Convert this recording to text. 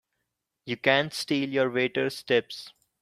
You can't steal your waiters' tips!